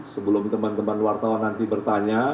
sebelum teman teman wartawan nanti bertanya